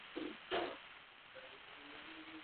আমি একেবারে পুলকিত কম্পান্বিত হৃদয়ে জিজ্ঞাসা করিলাম, তারপরে?